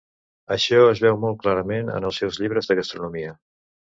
Això es veu molt clarament en els seus llibres de gastronomia.